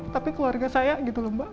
tapi keluarga saya gitu loh mbak